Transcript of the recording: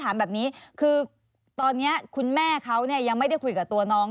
ถามแบบนี้คือตอนนี้คุณแม่เขาเนี่ยยังไม่ได้คุยกับตัวน้อง